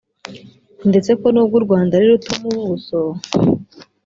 ndetse ko nubwo u Rwanda ari ruto mu buso